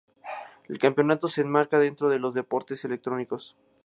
El campeonato se enmarca dentro de los deportes electrónicos.